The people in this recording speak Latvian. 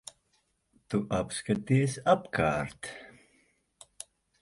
Tu apskaties apkārt.